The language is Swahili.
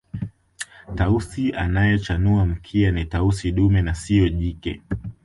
Tausi anayechanua mkia ni Tausi dume na siyo jike